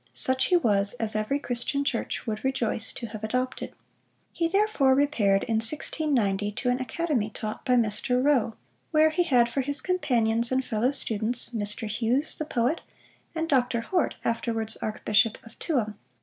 Such he was, as every Christian Church would rejoice to have adopted. He therefore repaired in 1690 to an academy taught by Mr. Rowe, where he had for his companions and fellow students Mr. Hughes the poet, and Dr. Horte, afterwards Archbishop of Tuam.